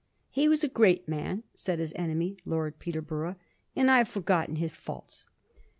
* He was a great man,' said l^is enemy. Lord Peterborough, * and I have forgotten his faults.'